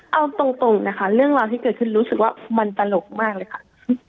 เอาตรงนะคะเรื่องราวที่เกิดขึ้นรู้สึกว่ามันตลกมากเลยค่ะ